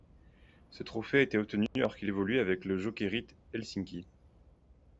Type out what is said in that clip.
Ce trophée a été obtenu alors qu'il évoluait avec le Jokerit Helsinki.